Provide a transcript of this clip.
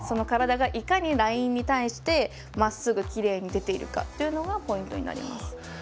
体がいかにラインに対してまっすぐきれいに出ているかがポイントになります。